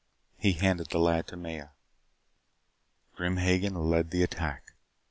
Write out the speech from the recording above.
He handed the lad to Maya. Grim Hagen led the attack.